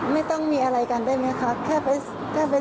มันก็ใช่แต่ว่าหนูไม่อยาก